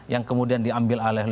yang kemudian diambil oleh